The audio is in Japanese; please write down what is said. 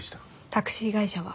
タクシー会社は？